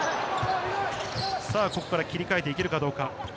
ここから切り替えていけるかどうか？